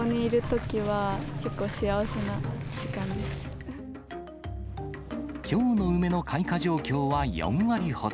きょうの梅の開花状況は４割ほど。